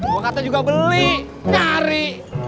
mau kata juga beli nyari